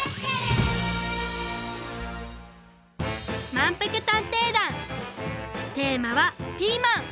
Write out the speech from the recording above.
「まんぷく探偵団」テーマはピーマン！